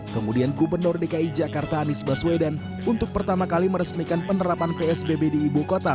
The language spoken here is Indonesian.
kemudian gubernur dki jakarta anies baswedan untuk pertama kali meresmikan penerapan psbb di ibu kota